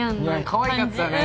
かわいかったね。